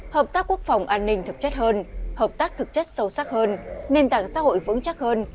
hợp tác quốc phòng an ninh thực chất hơn hợp tác thực chất sâu sắc hơn nền tảng xã hội vững chắc hơn